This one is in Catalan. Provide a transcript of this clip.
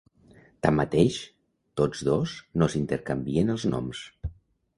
Tanmateix, tots dos no s'intercanvien els noms.